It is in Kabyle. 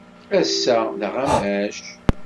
Ass-a d aɣamac.